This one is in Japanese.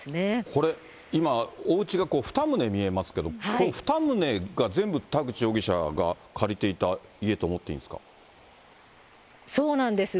これ、今、おうちが２棟見えますけど、この２棟が全部、田口容疑者が借りていた家と思っていいんですかそうなんです。